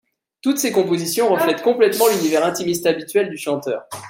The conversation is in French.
Toutes ces compositions reflètent complètement l'univers intimiste habituel du chanteur.